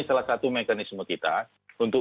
salah satu mekanisme kita untuk